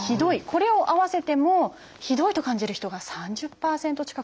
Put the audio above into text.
これを合わせても「ひどい」と感じる人が３０％近くいるんですよ。